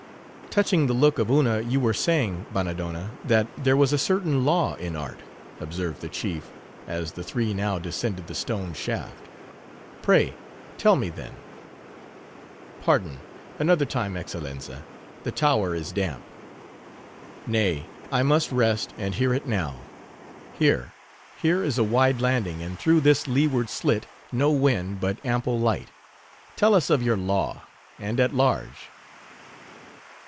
"Touching the look of Una, you were saying, Bannadonna, that there was a certain law in art," observed the chief, as the three now descended the stone shaft, "pray, tell me, then—." "Pardon; another time, Excellenza;—the tower is damp." "Nay, I must rest, and hear it now. Here,—here is a wide landing, and through this leeward slit, no wind, but ample light. Tell us of your law; and at large."